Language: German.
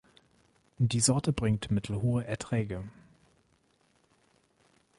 Die Sorte bringt mittelhohe Erträge.